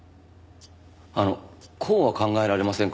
あのこうは考えられませんか？